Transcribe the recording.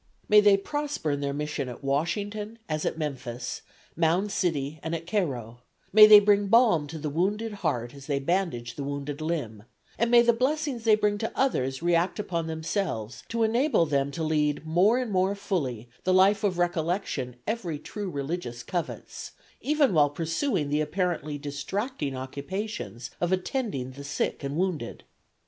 "May they prosper in their mission at Washington, as at Memphis, Mound City and at Cairo; may they bring balm to the wounded heart as they bandage the wounded limb; and may the blessings they bring to others react upon themselves to enable them to lead more and more fully the life of recollection every true religious covets, even while pursuing the apparently distracting occupations of attending the sick and wounded!